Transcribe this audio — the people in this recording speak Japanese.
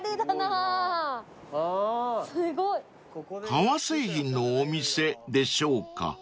［革製品のお店でしょうか］